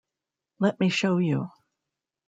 Let me show you.